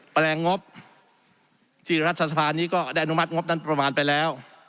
แปลงงบที่รัฐสภานี้ก็ได้อนุมัติงบนั้นประมาณไปแล้ว